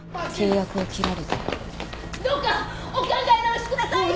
どうかお考え直しください！